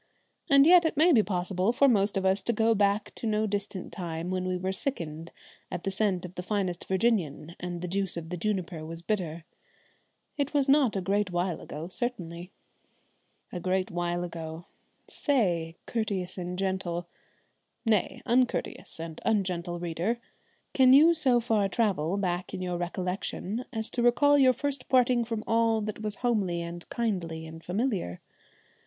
And yet it may be possible for most of us to go back to no distant time when we sickened at the scent of the finest Virginian and the juice of the juniper was bitter. It was not a great while ago certainly! A great while ago! Say, courteous and gentle nay, uncourteous and ungentle reader can you so far travel back in your recollection as to recall your first parting from all that was homely and kindly and familiar?